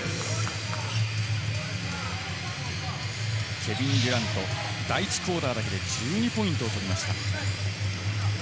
ケビン、第１クオーターだけで１２ポイントを取りました。